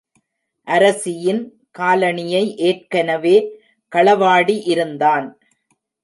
அரசியின் காலணியை ஏற்கனவே களவாடி இருந் தான்.